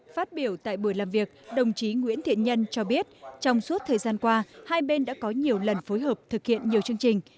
phát biểu tại buổi làm việc đồng chí nguyễn thiện nhân cho biết trong suốt thời gian qua hai bên đã có nhiều lần phối hợp thực hiện nhiều chương trình